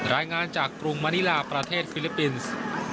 รายงานจากกรุงมณิลาประเทศฟิลิปปินส์